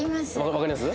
わかります？